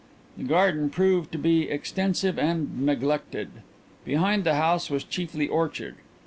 The garden proved to be extensive and neglected. Behind the house was chiefly orchard.